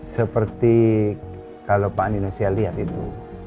seperti kalau pak nino saya lihat itu